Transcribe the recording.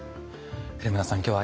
古村さん